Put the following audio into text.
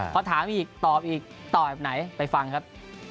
พอถามอีกตอบอีกตอบแบบไหนไปฟังครับ